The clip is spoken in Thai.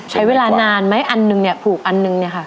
ใช้เวลานานไหมอันหนึ่งเนี่ยผูกอันนึงเนี่ยค่ะ